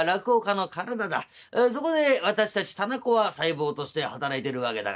そこで私たち店子は細胞として働いてるわけだがな